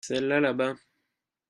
Celles-là là-bas.